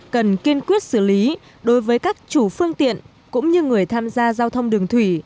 cần kiên quyết xử lý đối với các chủ phương tiện cũng như người tham gia giao thông đường thủy